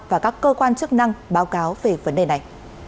và các cơ quan chức năng báo cáo về vấn đề này